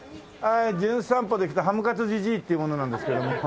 『じゅん散歩』で来たハムカツじじいっていう者なんですけども。